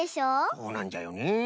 そうなんじゃよね。